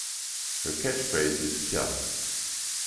Her catchphrase is Kya!